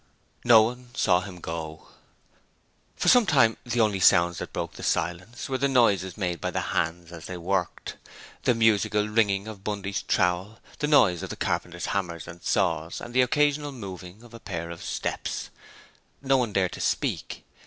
No one saw him go. For some time the only sounds that broke the silence were the noises made by the hands as they worked. The musical ringing of Bundy's trowel, the noise of the carpenters' hammers and saws and the occasional moving of a pair of steps. No one dared to speak.